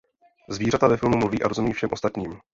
Zvířata ve filmu mluví a rozumí všem ostatním.